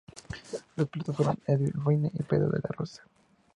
Los pilotos fueron Eddie Irvine y Pedro de la Rosa.